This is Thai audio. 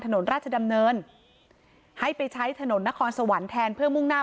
ถนนราชดำเนินให้ไปใช้ถนนนครสวรรค์แทนเพื่อมุ่งหน้า